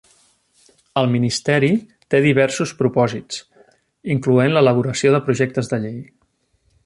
El ministeri té diversos propòsits, incloent l'elaboració de projectes de llei.